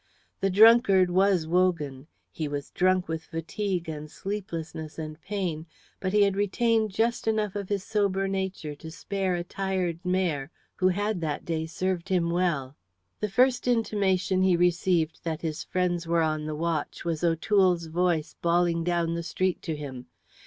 The drunkard was Wogan; he was drunk with fatigue and sleeplessness and pain, but he had retained just enough of his sober nature to spare a tired mare who had that day served him well. The first intimation he received that his friends were on the watch was O'Toole's voice bawling down the street to him.